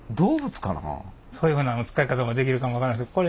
そういうふうな使い方もできるかも分からんですけど